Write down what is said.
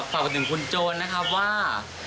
ฝากไปถึงคุณโจรนะครับว่า